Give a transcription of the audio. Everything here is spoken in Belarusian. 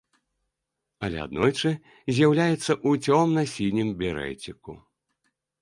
Але аднойчы з'яўляецца ў цёмна-сінім берэціку.